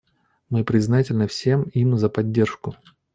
Мы признательны всем им за поддержку.